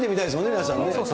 皆さんね。